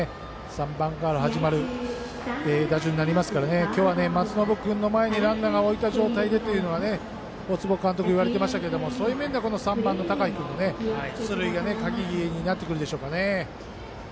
３番から始まる打順になりますから今日は松延君の前にランナーを置いた状態でというのは大坪監督が言われてましたけどそういう意味では３番、高陽君の出塁が鍵になってくるでしょうね。